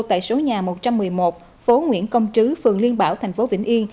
tại số nhà một trăm một mươi một phố nguyễn công trứ phường liên bảo thành phố vĩnh yên